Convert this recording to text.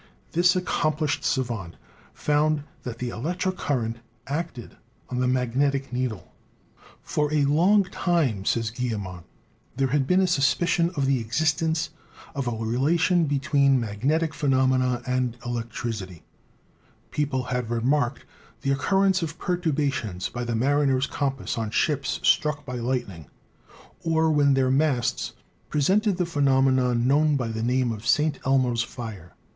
This accomplished savant found that the electric current acted on the magnetic needle. "For a long time," says Guille min, " there had been a suspicion of the existence of a relation between magnetic phenomena and electricity ; peo FUNDAMENTAL DISCOVERIES 181 pie had remarked the occurrence of perturbations by the mariner's compass on ships struck by lightning, or when their masts presented the phenonemon known by the name of St. Elmo's fire.